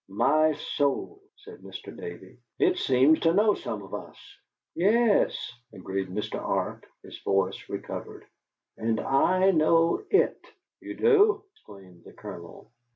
"My soul!" said Mr. Davey. "It seems to know some of us!" "Yes," agreed Mr. Arp, his voice recovered, "and I know IT." "You do?" exclaimed the Colonel.